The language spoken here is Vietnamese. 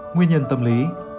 nguyên nhân tâm lý